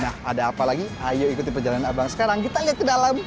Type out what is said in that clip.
nah ada apa lagi ayo ikuti perjalanan abang sekarang kita lihat ke dalam